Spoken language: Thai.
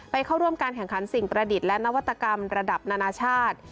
เข้าร่วมการแข่งขันสิ่งประดิษฐ์และนวัตกรรมระดับนานาชาติ